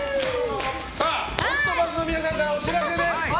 ＯＣＴＰＡＴＨの皆さんからお知らせです。